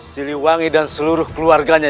siliwangi dan seluruh keluarganya